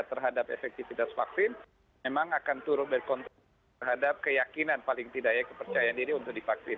terhadap efektivitas vaksin memang akan turut berkontribusi terhadap keyakinan paling tidak ya kepercayaan diri untuk divaksin